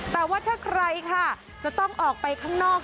แต่ว่าถ้าใครค่ะจะต้องออกไปข้างนอก